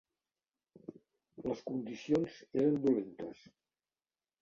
Les condicions eres dolentes.